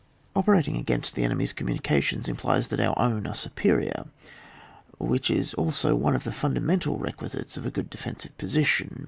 Operating against the enemy's com munications implies that our own are superior, which is also one of the funda mental requisites of a good defensive position.